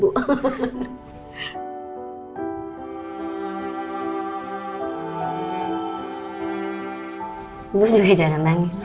bu juga jangan nangis